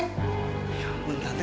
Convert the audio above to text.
ya ampun tante